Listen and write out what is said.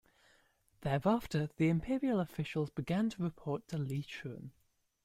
Thereafter, the imperial officials began to report to Li Chun.